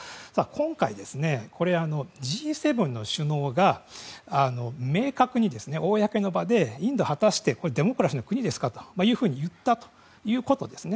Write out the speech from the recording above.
今回、Ｇ７の首脳が明確に公の場でインドは果たしてデモクラシーの国ですかと言ったということですね。